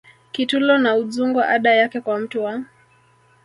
Kitulo na Udzungwa ada yake kwa mtu wa